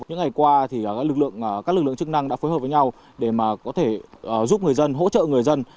những ngày qua thì các lực lượng chức năng đã phối hợp với nhau để mà có thể giúp người dân hỗ trợ người dân